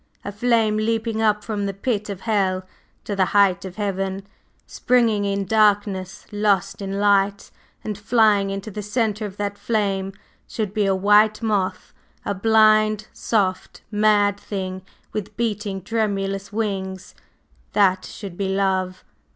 "A flame leaping up from the pit of hell to the height of heaven, springing in darkness, lost in light; and flying into the centre of that flame should be a white moth a blind, soft, mad thing with beating, tremulous wings, that should be Love!